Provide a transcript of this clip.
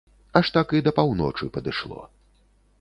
Аж так і да паўночы падышло.